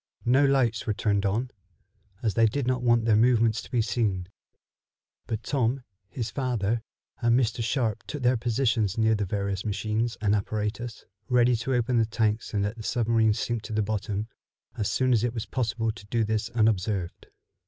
No lights were turned on, as they did not want their movements to be seen, but Tom, his father and Mr. Sharp took their positions near the various machines and apparatus, ready to open the tanks and let the submarine sink to the bottom, as soon as it was possible to do this unobserved.